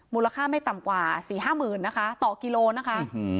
มูลค่าไม่ต่ำกว่า๔๕๐๐๐นะคะต่อกิโลนะคะ